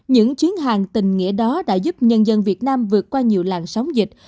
những chuyến hàng tình nghĩa đó đã giúp nhân dân việt nam vượt qua nhiều làng sóng dịch